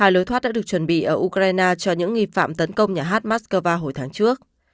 hai lối thoát đã được chuẩn bị ở ukraine cho những nghi phạm tấn công nhà hát moscow hồi tháng trước